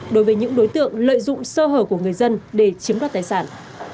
đối với những đối tượng lợi dụng sơ hở của người dân để chiếm đoạt tài sản